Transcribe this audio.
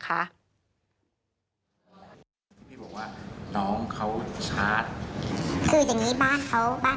ก็ไม่รู้ว่าฟ้าจะระแวงพอพานหรือเปล่า